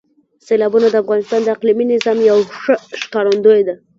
سیلابونه د افغانستان د اقلیمي نظام یو ښه ښکارندوی ده.